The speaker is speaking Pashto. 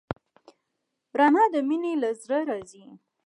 رڼا د مینې له زړه راځي.